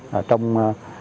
và tập trung tối đa